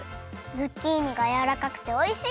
ズッキーニがやわらかくておいしい！